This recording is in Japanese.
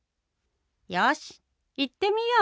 よし、いってみよう。